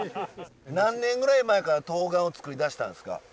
何年ぐらい前からとうがんを作りだしたんですか？